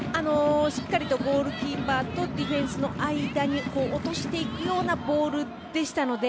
しっかりゴールキーパーとディフェンスの間に落としていくようなボールでしたので。